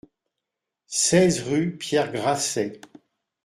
seize rue Pierre Grasset